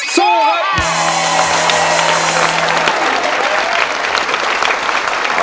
สู้ค่ะ